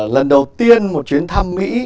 lần đầu tiên một chuyến thăm mỹ